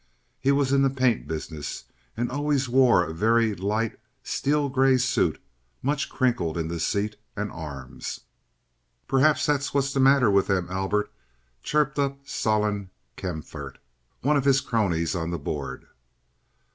He was in the paint business, and always wore a very light steel gray suit much crinkled in the seat and arms. "Perhaps that's what's the matter with them, Albert," chirped up Solon Kaempfaert, one of his cronies on the board.